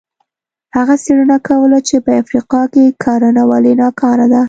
هغه څېړنه کوله چې په افریقا کې کرنه ولې ناکاره ده.